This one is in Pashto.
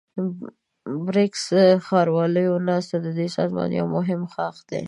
د بريکس ښارواليو ناسته ددې سازمان يو مهم ښاخ دی.